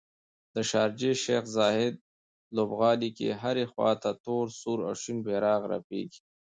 د شارجې شیخ ذاید لوبغالي کې هرې خواته تور، سور او شین بیرغ رپیږي